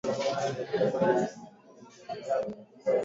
Mama yabo anakufa na sumu bali mutilia